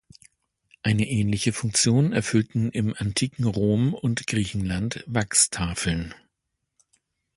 Eine ähnliche Funktion erfüllten im antiken Rom und Griechenland Wachstafeln.